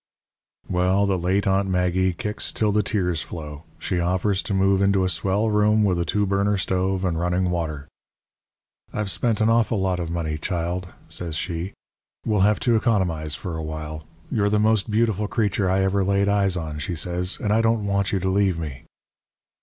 "Well, the late Aunt Maggie kicks till the tears flow. She offers to move into a swell room with a two burner stove and running water. "'I've spent an awful lot of money, child,' says she. 'We'll have to economize for a while. You're the most beautiful creature I ever laid eyes on,' she says, 'and I don't want you to leave me.'